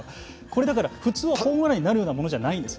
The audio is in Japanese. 普通はホームランになるようなものじゃないんですよ